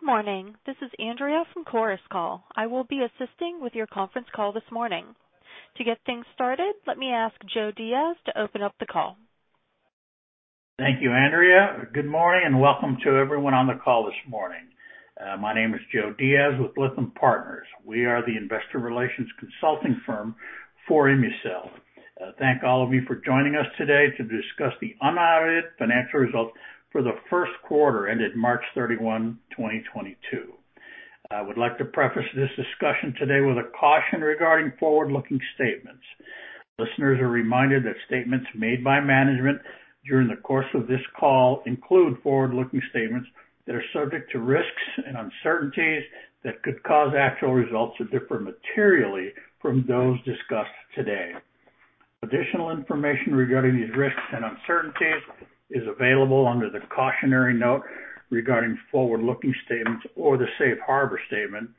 Good morning. This is Andrea from Chorus Call. I will be assisting with your conference call this morning. To get things started, let me ask Joe Diaz to open up the call. Thank you, Andrea. Good morning, and welcome to everyone on the call this morning. My name is Joe Diaz with Lytham Partners. We are the investor relations consulting firm for ImmuCell. I thank all of you for joining us today to discuss the unaudited financial results for the Q1 ended March 31, 2022. I would like to preface this discussion today with a caution regarding forward-looking statements. Listeners are reminded that statements made by management during the course of this call include forward-looking statements that are subject to risks and uncertainties that could cause actual results to differ materially from those discussed today. Additional information regarding these risks and uncertainties is available under the cautionary note regarding forward-looking statements or the safe harbor statement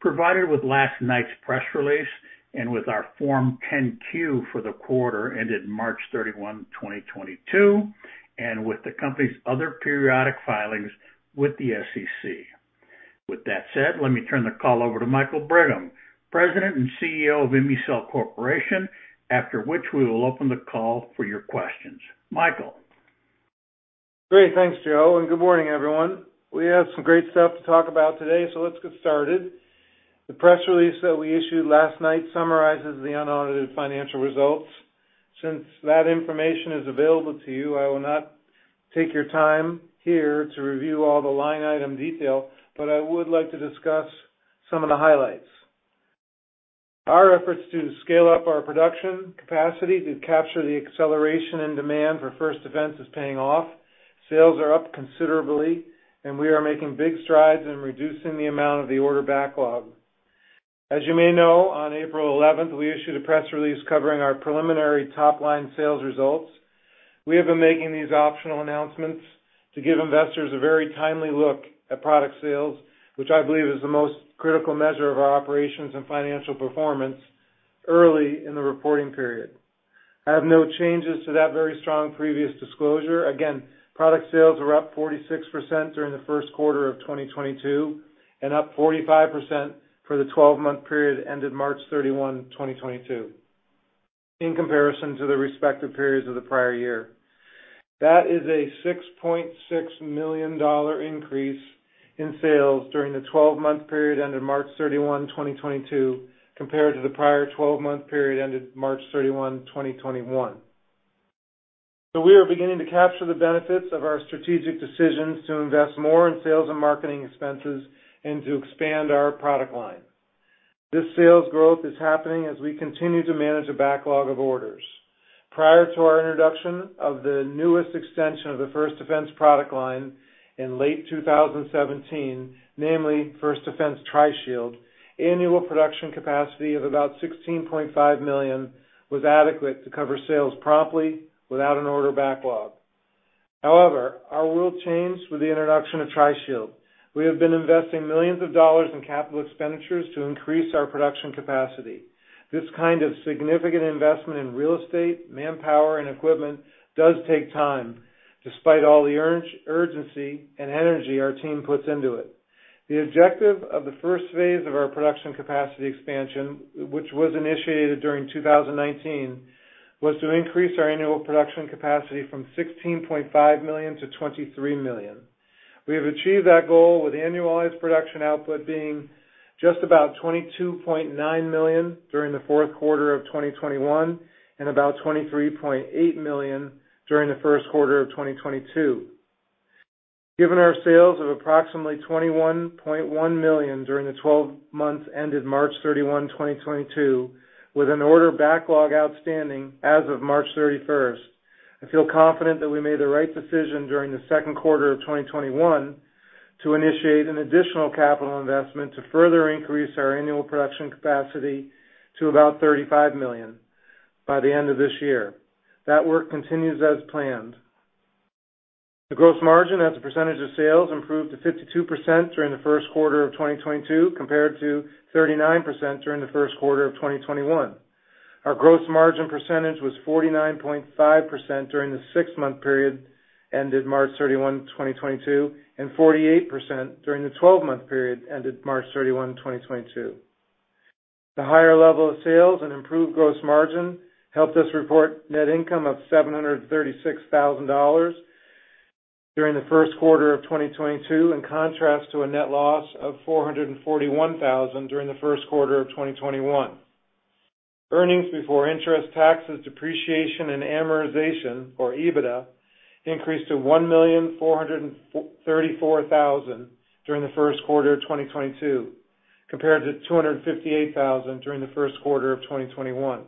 provided with last night's press release and with our Form 10-Q for the quarter ended March 31, 2022, and with the company's other periodic filings with the SEC. With that said, let me turn the call over to Michael Brigham, President and CEO of ImmuCell Corporation, after which we will open the call for your questions. Michael? Great. Thanks, Joe, and good morning, everyone. We have some great stuff to talk about today, so let's get started. The press release that we issued last night summarizes the unaudited financial results. Since that information is available to you, I will not take your time here to review all the line item detail, but I would like to discuss some of the highlights. Our efforts to scale up our production capacity to capture the acceleration and demand for First Defense is paying off. Sales are up considerably, and we are making big strides in reducing the amount of the order backlog. As you may know, on April eleventh, we issued a press release covering our preliminary top-line sales results. We have been making these optional announcements to give investors a very timely look at product sales, which I believe is the most critical measure of our operations and financial performance early in the reporting period. I have no changes to that very strong previous disclosure. Again, product sales were up 46% during the Q1 of 2022 and up 45% for the twelve-month period ended March 31, 2022 in comparison to the respective periods of the prior year. That is a $6.6 million increase in sales during the twelve-month period ended March 31, 2022, compared to the prior twelve-month period ended March 31, 2021. We are beginning to capture the benefits of our strategic decisions to invest more in sales and marketing expenses and to expand our product line. This sales growth is happening as we continue to manage a backlog of orders. Prior to our introduction of the newest extension of the First Defense product line in late 2017, namely First Defense Tri-Shield, annual production capacity of about 16.5 million was adequate to cover sales promptly without an order backlog. However, our world changed with the introduction of Tri-Shield. We have been investing millions of dollars in capital expenditures to increase our production capacity. This kind of significant investment in real estate, manpower, and equipment does take time, despite all the urgency and energy our team puts into it. The objective of the first phase of our production capacity expansion, which was initiated during 2019, was to increase our annual production capacity from 16.5 million to 23 million. We have achieved that goal with annualized production output being just about 22.9 million during the Q4 of 2021 and about 23.8 million during the Q1 of 2022. Given our sales of approximately $21.1 million during the twelve months ended March 31, 2022, with an order backlog outstanding as of March 31, I feel confident that we made the right decision during the Q2 of 2021 to initiate an additional capital investment to further increase our annual production capacity to about 35 million by the end of this year. That work continues as planned. The gross margin as a percentage of sales improved to 52% during the Q1 of 2022 compared to 39% during the Q1 of 2021. Our gross margin percentage was 49.5% during the six-month period ended March 31, 2022, and 48% during the twelve-month period ended March 31, 2022. The higher level of sales and improved gross margin helped us report net income of $736,000 during the Q1 of 2022, in contrast to a net loss of $441,000 during the Q1 of 2021. Earnings before interest, taxes, depreciation, and amortization, or EBITDA, increased to $1,434,000 during the Q1 of 2022 compared to $258,000 during the Q1 of 2021.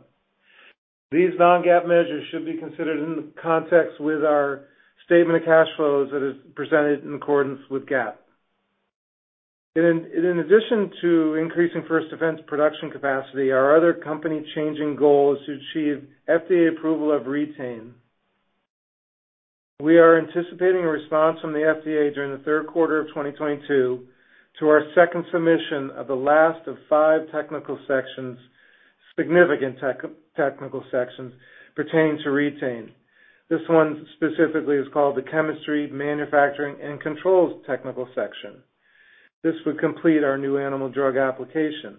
These non-GAAP measures should be considered in the context with our statement of cash flows that is presented in accordance with GAAP. In addition to increasing First Defense production capacity, our other company-changing goal is to achieve FDA approval of Re-Tain. We are anticipating a response from the FDA during the Q3 of 2022 to our second submission of the last of five significant technical sections pertaining to Re-Tain. This one specifically is called the Chemistry, Manufacturing, and Controls technical section. This would complete our new animal drug application.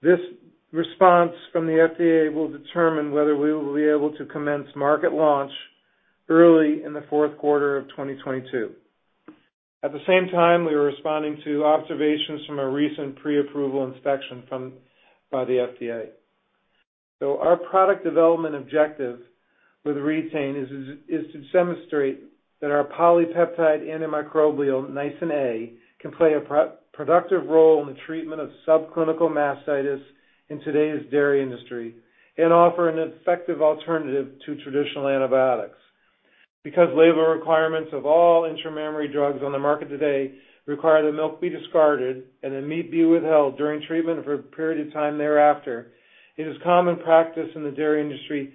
This response from the FDA will determine whether we will be able to commence market launch early in the Q4 of 2022. At the same time, we are responding to observations from a recent pre-approval inspection by the FDA. Our product development objective with Re-Tain is to demonstrate that our polypeptide antimicrobial Nisin A can play a productive role in the treatment of subclinical mastitis in today's dairy industry and offer an effective alternative to traditional antibiotics. Because labor requirements of all intramammary drugs on the market today require the milk be discarded and the meat be withheld during treatment for a period of time thereafter, it is common practice in the dairy industry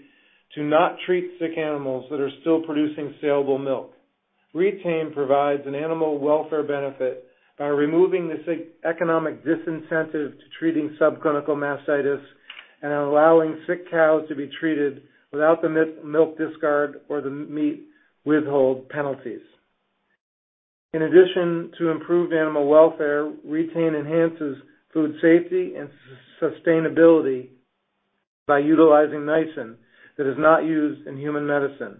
to not treat sick animals that are still producing salable milk. Re-Tain provides an animal welfare benefit by removing the sick economic disincentive to treating subclinical mastitis and allowing sick cows to be treated without the milk discard or the meat withhold penalties. In addition to improved animal welfare, Re-Tain enhances food safety and sustainability by utilizing Nisin that is not used in human medicine.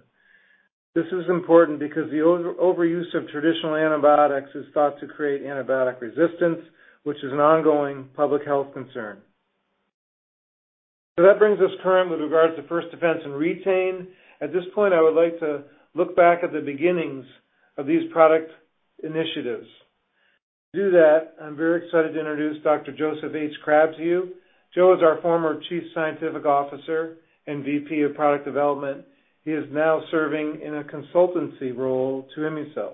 This is important because the overuse of traditional antibiotics is thought to create antibiotic resistance, which is an ongoing public health concern. That brings us current with regards to First Defense and Re-Tain. At this point, I would like to look back at the beginnings of these product initiatives. To do that, I'm very excited to introduce Dr. Joseph H. Crabb. Joe is our former Chief Scientific Officer and VP of Product Development. He is now serving in a consultancy role to ImmuCell.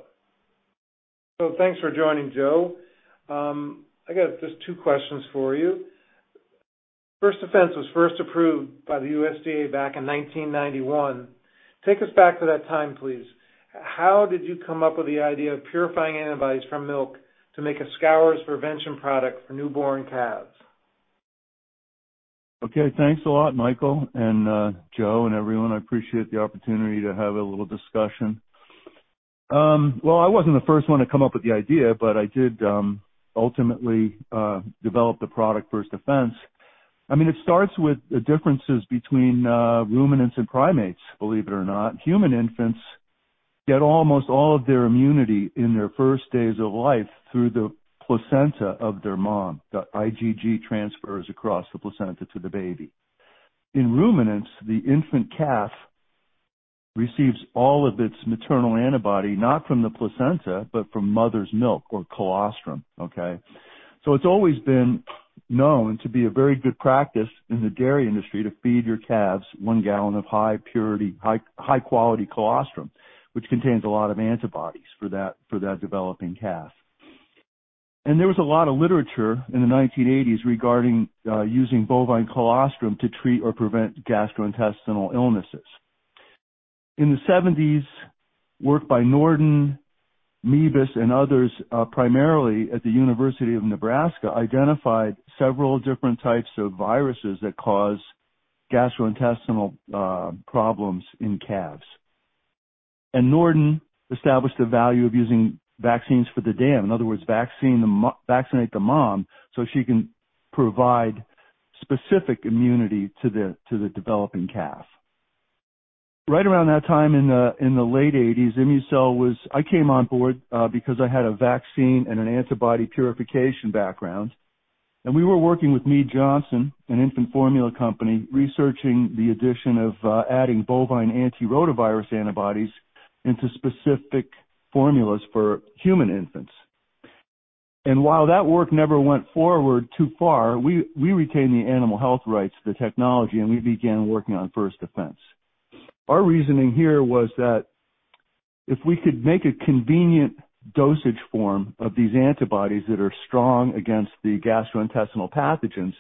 Thanks for joining, Joe. I got just two questions for you. First Defense was first approved by the USDA back in 1991. Take us back to that time, please. How did you come up with the idea of purifying antibodies from milk to make a scours prevention product for newborn calves? Okay. Thanks a lot, Michael, and, Joe and everyone. I appreciate the opportunity to have a little discussion. Well, I wasn't the first one to come up with the idea, but I did, ultimately, develop the product First Defense. I mean, it starts with the differences between, ruminants and primates, believe it or not. Human infants get almost all of their immunity in their first days of life through the placenta of their mom. The IgG transfers across the placenta to the baby. In ruminants, the infant calf receives all of its maternal antibody not from the placenta, but from mother's milk or colostrum. Okay. It's always been known to be a very good practice in the dairy industry to feed your calves one gallon of high purity, high quality colostrum, which contains a lot of antibodies for that developing calf. There was a lot of literature in the 1980s regarding using bovine colostrum to treat or prevent gastrointestinal illnesses. In the 1970s, work by Norden, Mebus, and others primarily at the University of Nebraska identified several different types of viruses that cause gastrointestinal problems in calves. Norden established the value of using vaccines for the dam. In other words, vaccinate the mom so she can provide specific immunity to the developing calf. Right around that time in the late 1980s, ImmuCell was. I came on board because I had a vaccine and an antibody purification background. We were working with Mead Johnson, an infant formula company, researching the addition of adding bovine anti-rotavirus antibodies into specific formulas for human infants. While that work never went forward too far, we retained the animal health rights to the technology, and we began working on First Defense. Our reasoning here was that if we could make a convenient dosage form of these antibodies that are strong against the gastrointestinal pathogens,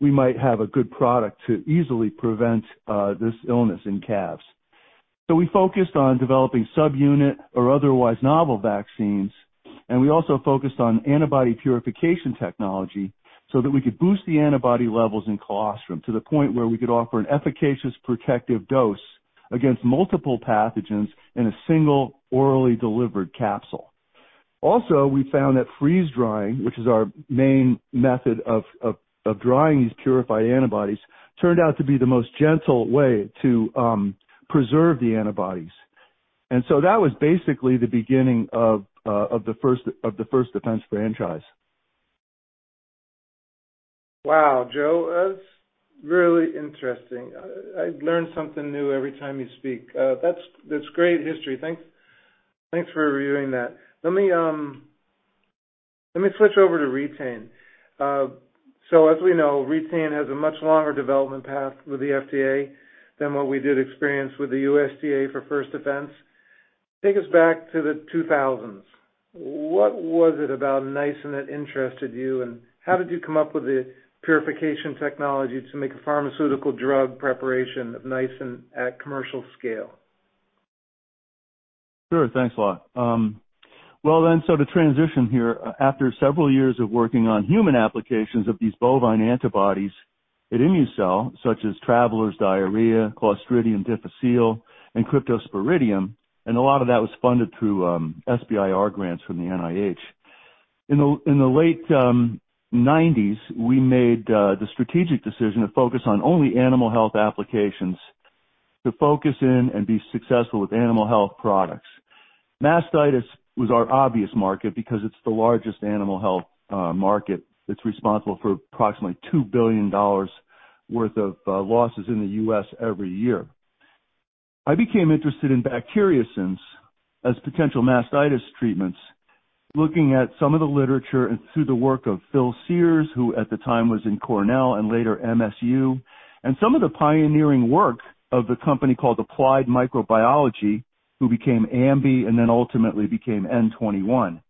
we might have a good product to easily prevent this illness in calves. We focused on developing subunit or otherwise novel vaccines, and we also focused on antibody purification technology so that we could boost the antibody levels in colostrum to the point where we could offer an efficacious protective dose against multiple pathogens in a single orally delivered capsule. Also, we found that freeze-drying, which is our main method of drying these purified antibodies, turned out to be the most gentle way to preserve the antibodies. That was basically the beginning of the First Defense franchise. Wow, Joe. That's really interesting. I learn something new every time you speak. That's great history. Thanks for reviewing that. Let me switch over to Re-Tain. As we know, Re-Tain has a much longer development path with the FDA than what we did experience with the USDA for First Defense. Take us back to the 2000s. What was it about Nisin that interested you, and how did you come up with the purification technology to make a pharmaceutical drug preparation of Nisin at commercial scale? Sure. Thanks a lot. To transition here, after several years of working on human applications of these bovine antibodies at ImmuCell, such as traveler's diarrhea, Clostridium difficile, and Cryptosporidium, and a lot of that was funded through SBIR grants from the NIH. In the late nineties, we made the strategic decision to focus on only animal health applications to focus in and be successful with animal health products. Mastitis was our obvious market because it's the largest animal health market. It's responsible for approximately $2 billion worth of losses in the U.S. every year. I became interested in bacteriocins as potential mastitis treatments, looking at some of the literature and through the work of Phil Sears, who at the time was in Cornell and later MSU, and some of the pioneering work of the company called Applied Microbiology, who became Ambi and then ultimately became Nutrition 21.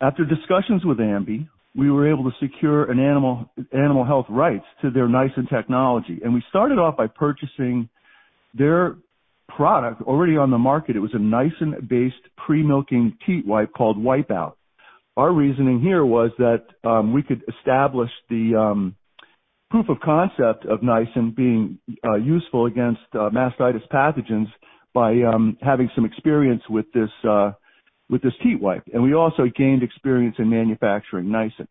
After discussions with Ambi, we were able to secure an animal health rights to their Nisin technology. We started off by purchasing their product already on the market. It was a Nisin-based pre-milking teat wipe called Wipe Out. Our reasoning here was that we could establish the proof of concept of Nisin being useful against mastitis pathogens by having some experience with this teat wipe. We also gained experience in manufacturing Nisin.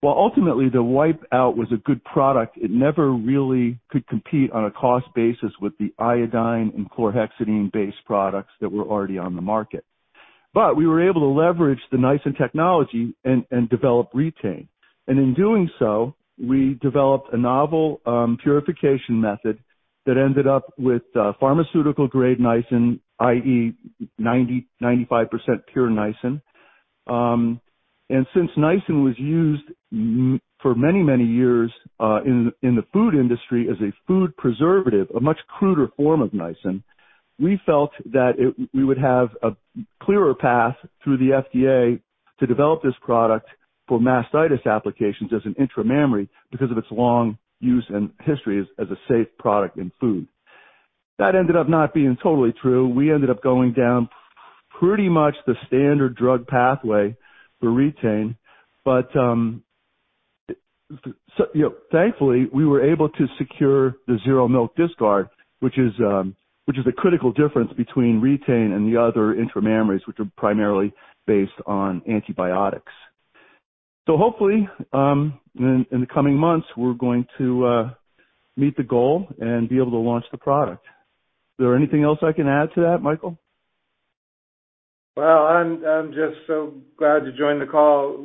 While ultimately, the Wipe Out was a good product, it never really could compete on a cost basis with the iodine and chlorhexidine-based products that were already on the market. We were able to leverage the Nisin technology and develop Re-Tain. In doing so, we developed a novel purification method that ended up with pharmaceutical-grade Nisin, i.e., 95% pure Nisin. Since Nisin was used for many, many years in the food industry as a food preservative, a much cruder form of Nisin, we felt that we would have a clearer path through the FDA to develop this product for mastitis applications as an intramammary because of its long use and history as a safe product in food. That ended up not being totally true. We ended up going down pretty much the standard drug pathway for Re-Tain. You know, thankfully, we were able to secure the zero milk discard, which is a critical difference between Re-Tain and the other intramammaries, which are primarily based on antibiotics. Hopefully, in the coming months, we're going to meet the goal and be able to launch the product. Is there anything else I can add to that, Michael? Well, I'm just so glad to join the call.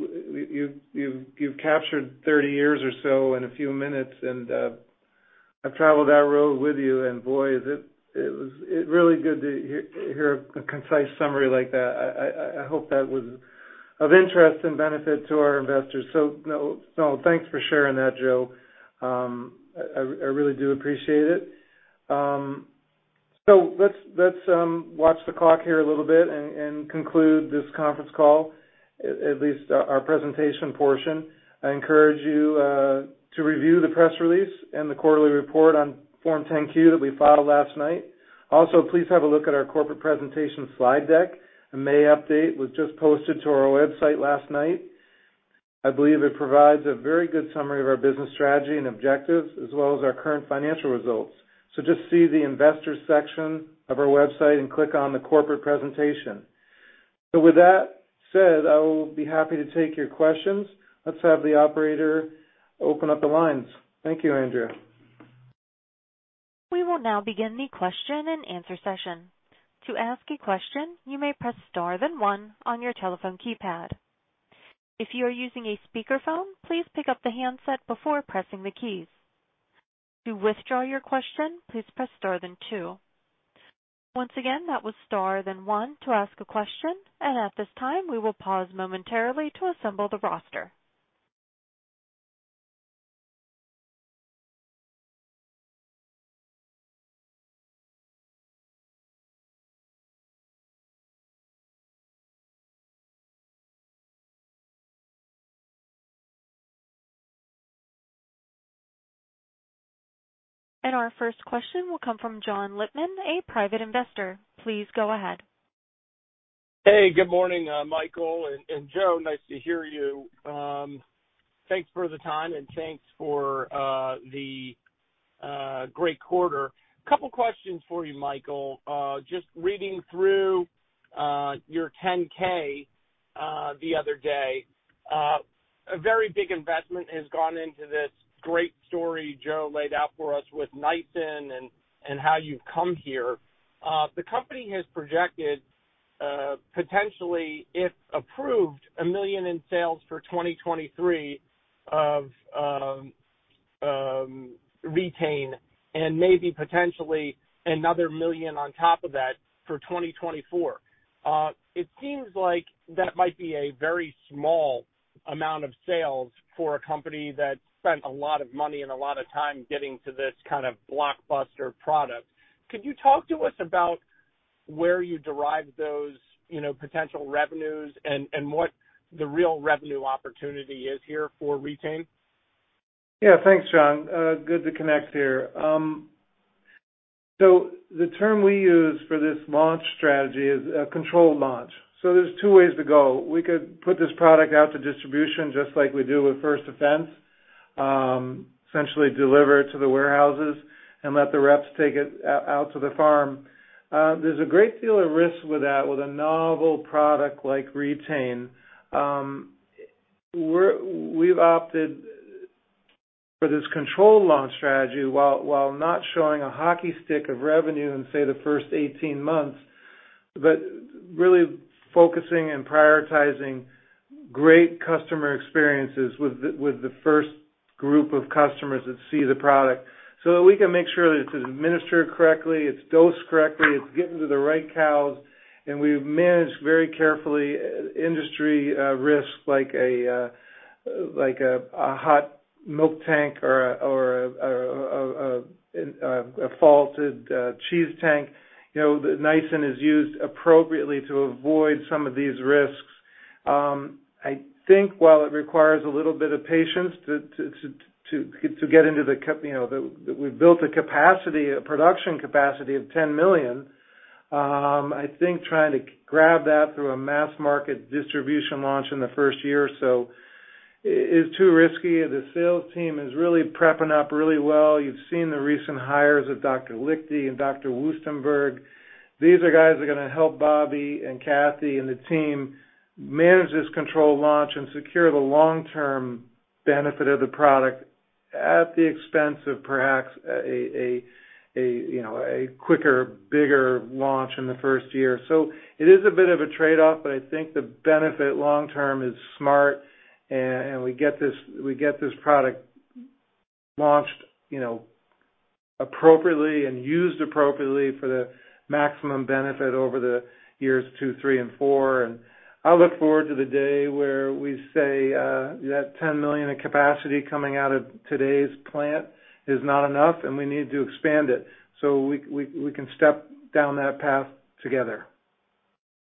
You've captured 30 years or so in a few minutes, and I've traveled that road with you, and boy, it was really good to hear a concise summary like that. I hope that was of interest and benefit to our investors. Thanks for sharing that, Joe. I really do appreciate it. Let's watch the clock here a little bit and conclude this conference call, at least our presentation portion. I encourage you to review the press release and the quarterly report on Form 10-Q that we filed last night. Also, please have a look at our corporate presentation slide deck. A May update was just posted to our website last night. I believe it provides a very good summary of our business strategy and objectives, as well as our current financial results. Just see the investors section of our website and click on the corporate presentation. With that said, I will be happy to take your questions. Let's have the operator open up the lines. Thank you, Andrea. We will now begin the question-and-answer session. To ask a question, you may press star then one on your telephone keypad. If you are using a speakerphone, please pick up the handset before pressing the keys. To withdraw your question, please press star then two. Once again, that was star then one to ask a question. At this time, we will pause momentarily to assemble the roster. Our first question will come from John Lipman, a private investor. Please go ahead. Hey, good morning, Michael and Joe, nice to hear you. Thanks for the time and thanks for the great quarter. Couple questions for you, Michael. Just reading through your 10-K the other day. A very big investment has gone into this great story Joe laid out for us with nisin and how you've come here. The company has projected, potentially, if approved, $1 million in sales for 2023 of Re-Tain and maybe potentially another $1 million on top of that for 2024. It seems like that might be a very small amount of sales for a company that spent a lot of money and a lot of time getting to this kind of blockbuster product. Could you talk to us about where you derived those, you know, potential revenues and what the real revenue opportunity is here for Re-Tain? Yeah. Thanks, John. Good to connect here. The term we use for this launch strategy is a controlled launch. There's two ways to go. We could put this product out to distribution just like we do with First Defense, essentially deliver it to the warehouses and let the reps take it out to the farm. There's a great deal of risk with that with a novel product like Re-Tain. We've opted for this controlled launch strategy while not showing a hockey stick of revenue in, say, the first 18 months, but really focusing and prioritizing great customer experiences with the first group of customers that see the product so that we can make sure that it's administered correctly, it's dosed correctly, it's getting to the right cows, and we've managed very carefully industry risks like a hot milk tank or a faulted cheese tank. You know, the nisin is used appropriately to avoid some of these risks. I think while it requires a little bit of patience to get into the capacity, you know, we've built a production capacity of 10 million. I think trying to grab that through a mass market distribution launch in the first year or so is too risky. The sales team is really prepping up really well. You've seen the recent hires of Dr. Lichdi and Dr. Wustenberg. These are guys that are gonna help Bobby and Kathy and the team manage this controlled launch and secure the long-term benefit of the product at the expense of perhaps a, you know, a quicker, bigger launch in the first year. It is a bit of a trade-off, but I think the benefit long term is smart and we get this product launched, you know, appropriately and used appropriately for the maximum benefit over the years two, three and four. I look forward to the day where we say that 10 million in capacity coming out of today's plant is not enough and we need to expand it. We can step down that path together.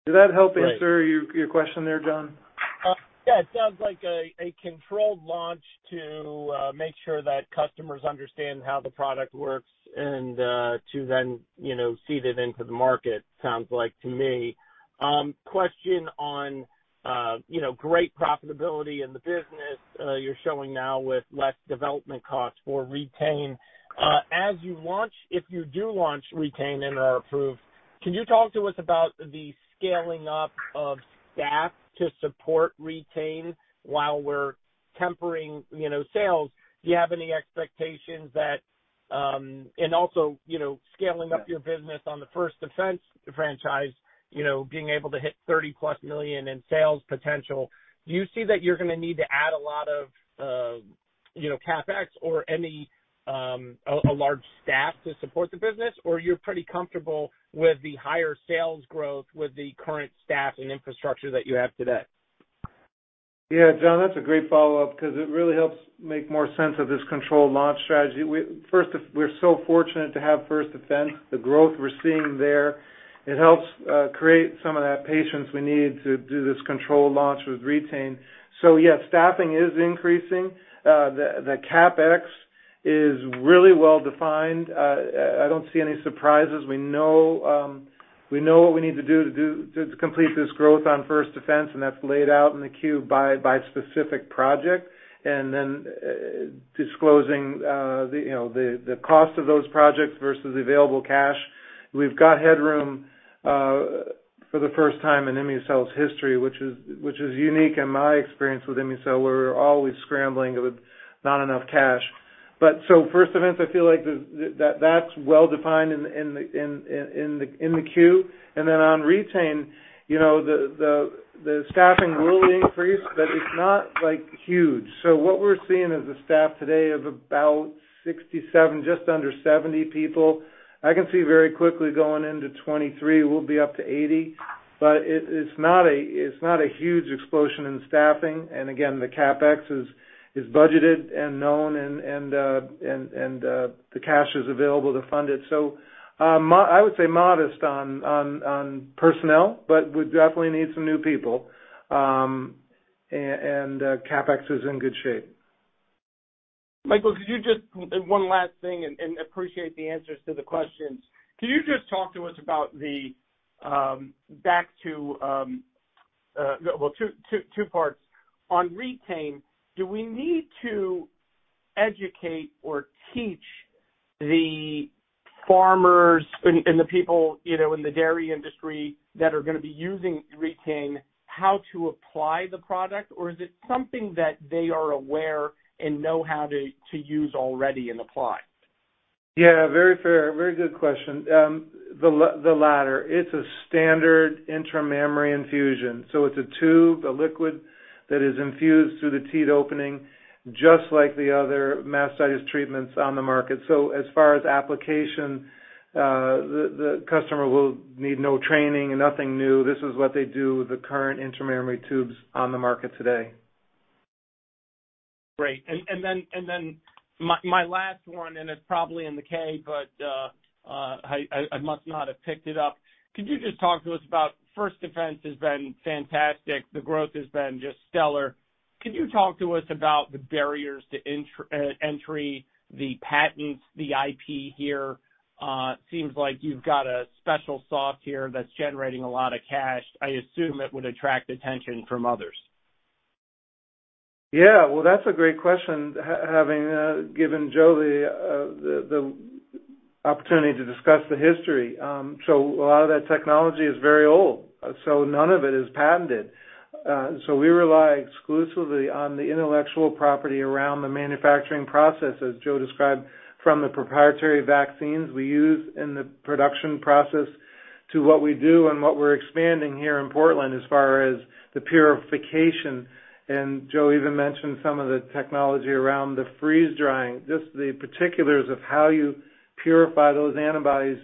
Did that help answer your question there, John? It sounds like a controlled launch to make sure that customers understand how the product works and to then, you know, seed it into the market, sounds like to me. Question on, you know, great profitability in the business, you're showing now with less development costs for Re-Tain. As you launch, if you do launch Re-Tain and are approved, can you talk to us about the scaling up of staff to support Re-Tain while we're tempering, you know, sales? Do you have any expectations that, and also, you know, scaling up your business on the First Defense franchise, you know, being able to hit $30+ million in sales potential, do you see that you're gonna need to add a lot of, you know, CapEx or any, a large staff to support the business, or you're pretty comfortable with the higher sales growth with the current staff and infrastructure that you have today? Yeah, John, that's a great follow-up because it really helps make more sense of this controlled launch strategy. We're so fortunate to have First Defense, the growth we're seeing there. It helps create some of that patience we need to do this controlled launch with Re-Tain. Yeah, staffing is increasing. The CapEx is really well defined. I don't see any surprises. We know what we need to do to complete this growth on First Defense, and that's laid out in the 10-Q by specific project, and then disclosing, you know, the cost of those projects versus available cash. We've got headroom for the first time in ImmuCell's history, which is unique in my experience with ImmuCell. We're always scrambling with not enough cash. First Defense, I feel like that's well defined in the queue. On Re-Tain, you know, the staffing will increase, but it's not like huge. What we're seeing is a staff today of about 67, just under 70 people. I can see very quickly going into 2023, we'll be up to 80. It's not a huge explosion in staffing. The CapEx is budgeted and known and the cash is available to fund it. I would say modest on personnel, but we definitely need some new people. CapEx is in good shape. Michael, could you just one last thing, and appreciate the answers to the questions. Can you just talk to us about the back to two parts. On Re-Tain, do we need to educate or teach the farmers and the people, you know, in the dairy industry that are gonna be using Re-Tain how to apply the product, or is it something that they are aware and know how to use already and apply? Yeah, very fair. Very good question. The latter. It's a standard intramammary infusion. It's a tube, a liquid that is infused through the teat opening, just like the other mastitis treatments on the market. As far as application, the customer will need no training and nothing new. This is what they do with the current intramammary tubes on the market today. Great. Then my last one, and it's probably in the K, but I must not have picked it up. Could you just talk to us about First Defense? It has been fantastic. The growth has been just stellar. Can you talk to us about the barriers to entry, the patents, the IP here? Seems like you've got a special sauce here that's generating a lot of cash. I assume it would attract attention from others. Yeah. Well, that's a great question. Having given Joe the opportunity to discuss the history. A lot of that technology is very old, so none of it is patented. We rely exclusively on the intellectual property around the manufacturing process, as Joe described, from the proprietary vaccines we use in the production process to what we do and what we're expanding here in Portland as far as the purification. Joe even mentioned some of the technology around the freeze-drying. Just the particulars of how you purify those antibodies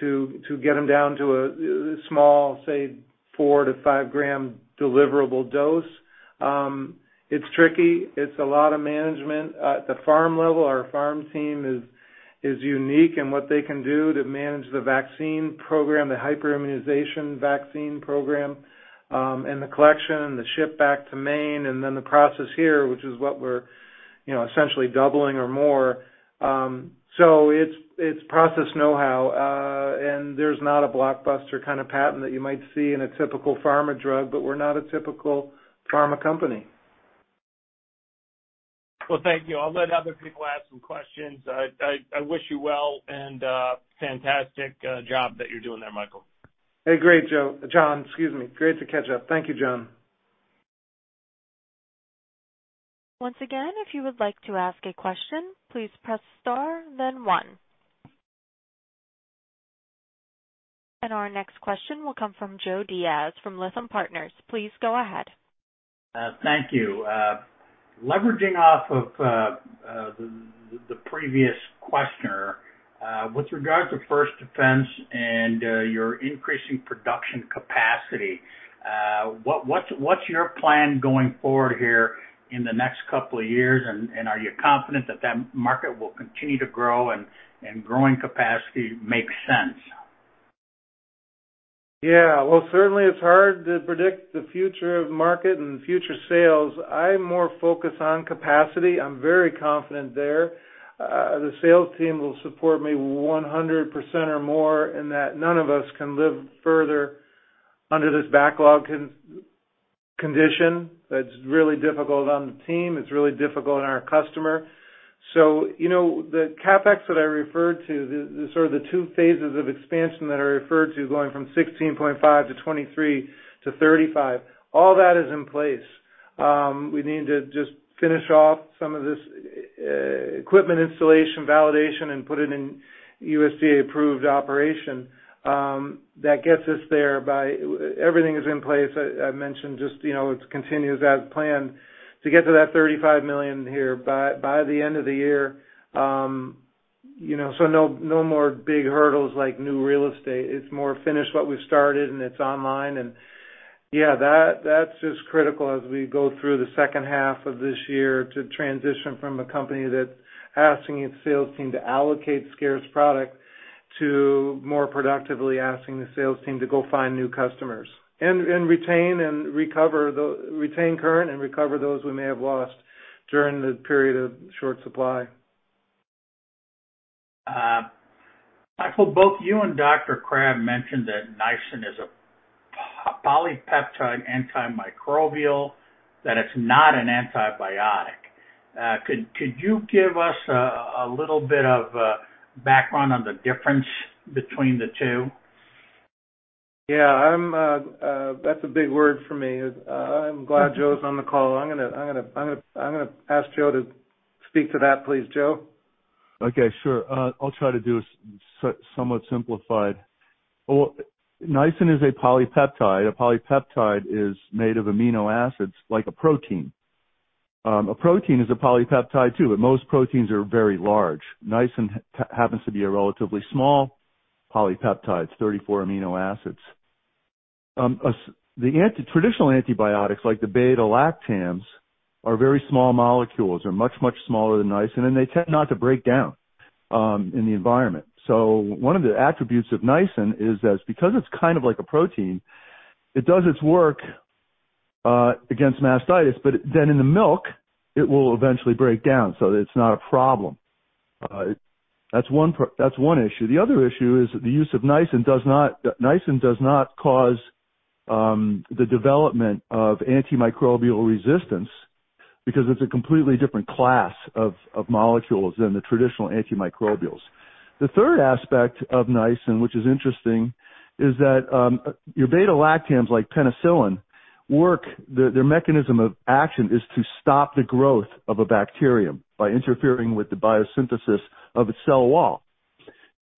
to get them down to a small, say, four to five gram deliverable dose, it's tricky. It's a lot of management at the farm level. Our farm team is unique in what they can do to manage the vaccine program, the hyper immunization vaccine program, and the collection and the shipment back to Maine, and then the process here, which is what we're, you know, essentially doubling or more. It's process know-how. There's not a blockbuster kind of patent that you might see in a typical pharma drug, but we're not a typical pharma company. Well, thank you. I'll let other people ask some questions. I wish you well, and fantastic job that you're doing there, Michael. Hey, great, Joe. John, excuse me. Great to catch up. Thank you, John. Once again, if you would like to ask a question, please press Star then one. Our next question will come from Joe Diaz from Lytham Partners. Please go ahead. Thank you. Leveraging off of the previous questioner with regards to First Defense and your increasing production capacity, what's your plan going forward here in the next couple of years? Are you confident that that market will continue to grow and growing capacity makes sense? Yeah. Well, certainly it's hard to predict the future of market and future sales. I'm more focused on capacity. I'm very confident there. The sales team will support me 100% or more, and that none of us can live further under this backlog condition. That's really difficult on the team. It's really difficult on our customer. You know, the CapEx that I referred to, the sort of the two phases of expansion that I referred to, going from $16.5 million to $23 million to $35 million, all that is in place. We need to just finish off some of this equipment installation validation and put it in USDA-approved operation. That gets us there by. Everything is in place. I mentioned just, you know, it continues as planned to get to that $35 million here by the end of the year. You know, so no more big hurdles like new real estate. It's more finish what we've started and it's online. Yeah, that's just critical as we go through the second half of this year to transition from a company that's asking its sales team to allocate scarce product to more productively asking the sales team to go find new customers, and retain current and recover those we may have lost during the period of short supply. Michael, both you and Dr. Crabb mentioned that Nisin is a polypeptide antimicrobial, that it's not an antibiotic. Could you give us a little bit of background on the difference between the two? Yeah, that's a big word for me. I'm glad Joe's on the call. I'm gonna ask Joe to speak to that, please. Joe? Okay, sure. I'll try to do a somewhat simplified. Well, Nisin is a polypeptide. A polypeptide is made of amino acids like a protein. A protein is a polypeptide too, but most proteins are very large. Nisin happens to be a relatively small polypeptide, it's 34 amino acids. The traditional antibiotics, like the beta-lactams, are very small molecules. They're much, much smaller than Nisin, and they tend not to break down in the environment. So one of the attributes of Nisin is that because it's kind of like a protein, it does its work against mastitis, but then in the milk, it will eventually break down. So it's not a problem. That's one issue. The other issue is that the use of nisin does not cause the development of antimicrobial resistance because it's a completely different class of molecules than the traditional antimicrobials. The third aspect of nisin, which is interesting, is that your beta-lactams, like penicillin, their mechanism of action is to stop the growth of a bacterium by interfering with the biosynthesis of its cell wall.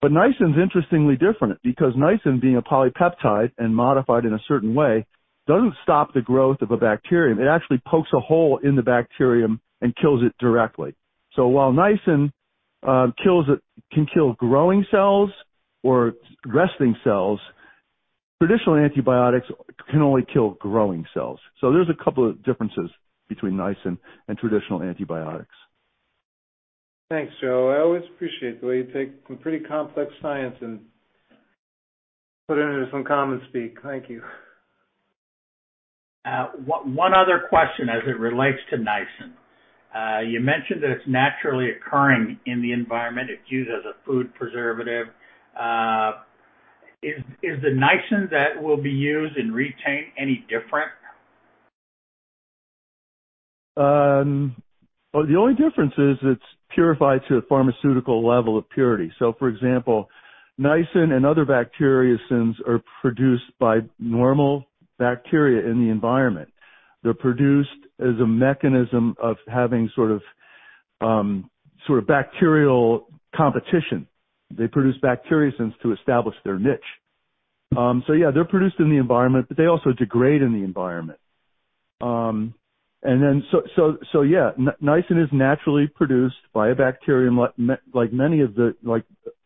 Nisin is interestingly different because nisin, being a polypeptide and modified in a certain way, doesn't stop the growth of a bacterium. It actually pokes a hole in the bacterium and kills it directly. While nisin kills it, can kill growing cells or resting cells, traditional antibiotics can only kill growing cells. There's a couple of differences between nisin and traditional antibiotics. Thanks, Joe. I always appreciate the way you take some pretty complex science and put it into some common speak. Thank you. One other question as it relates to nisin. You mentioned that it's naturally occurring in the environment. It's used as a food preservative. Is the nisin that will be used in Re-Tain any different? Well, the only difference is it's purified to a pharmaceutical level of purity. For example, nisin and other bacteriocins are produced by normal bacteria in the environment. They're produced as a mechanism of having sort of bacterial competition. They produce bacteriocins to establish their niche. Yeah, they're produced in the environment, but they also degrade in the environment. Nisin is naturally produced by a bacterium like many of the like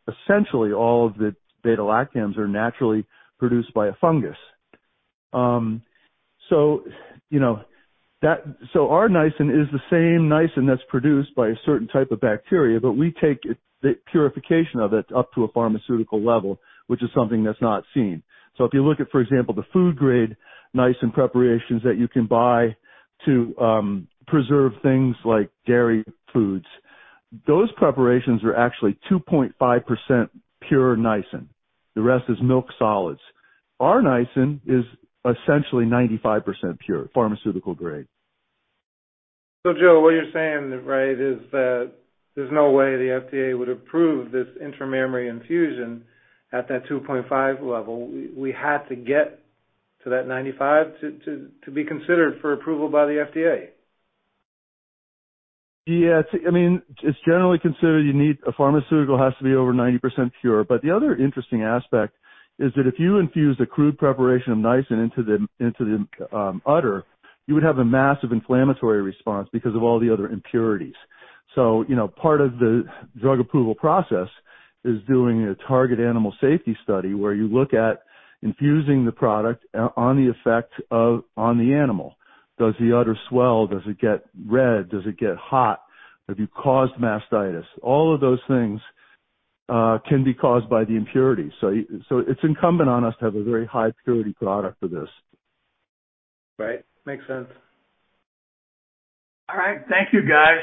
essentially all of the beta-lactams are naturally produced by a fungus. You know, so our nisin is the same nisin that's produced by a certain type of bacteria, but we take it, the purification of it up to a pharmaceutical level, which is something that's not seen. If you look at, for example, the food grade nisin preparations that you can buy to preserve things like dairy foods, those preparations are actually 2.5% pure nisin. The rest is milk solids. Our nisin is essentially 95% pure, pharmaceutical grade. Joe, what you're saying, right, is that there's no way the FDA would approve this intramammary infusion at that 2.5 level. We have to get to that 95 to be considered for approval by the FDA. Yeah. I mean, it's generally considered you need a pharmaceutical has to be over 90% pure. But the other interesting aspect is that if you infuse a crude preparation of nisin into the udder, you would have a massive inflammatory response because of all the other impurities. You know, part of the drug approval process is doing a target animal safety study where you look at infusing the product on the effect on the animal. Does the udder swell? Does it get red? Does it get hot? Have you caused mastitis? All of those things can be caused by the impurity. It's incumbent on us to have a very high purity product for this. Right. Makes sense. All right. Thank you, guys.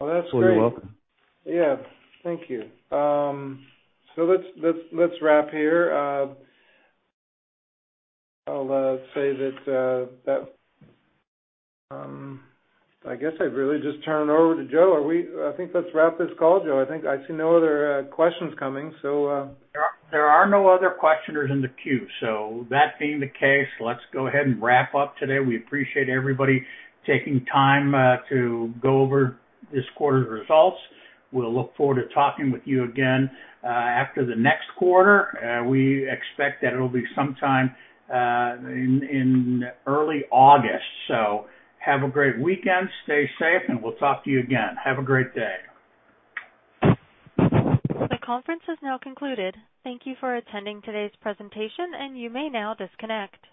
Well, that's great. Oh, you're welcome. Yeah. Thank you. So let's wrap here. I'll say that I guess I'd really just turn it over to Joe. I think let's wrap this call, Joe. I think I see no other questions coming, so. There are no other questioners in the queue, so that being the case, let's go ahead and wrap up today. We appreciate everybody taking time to go over this quarter's results. We'll look forward to talking with you again after the next quarter. We expect that it'll be sometime in early August. Have a great weekend, stay safe, and we'll talk to you again. Have a great day. The conference is now concluded. Thank you for attending today's presentation, and you may now disconnect.